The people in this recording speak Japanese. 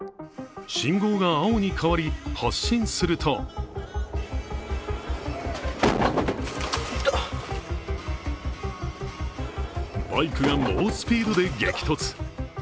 信号が青に変わり、発進するとバイクが猛スピードで激突。